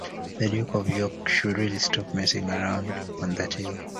The Duke of York should really stop messing around on that hill.